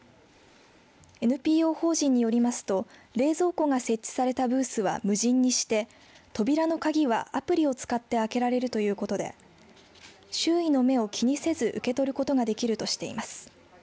ＮＰＯ法人によりますと冷蔵庫が設置されたブースは無人にして扉の鍵はアプリを使って開けられるということで周囲の目を気にせず受け取ることができるとしています。